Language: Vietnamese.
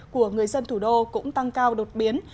của người dân thủ đô cũng tăng cao đột biến